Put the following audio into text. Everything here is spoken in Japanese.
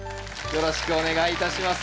よろしくお願いします。